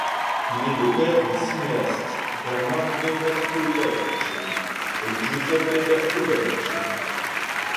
Il est le père des cinéastes Bernardo Bertolucci et Giuseppe Bertolucci.